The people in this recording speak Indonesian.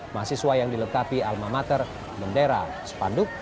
mahasiswa yang diletapi alma mater bendera sepanduk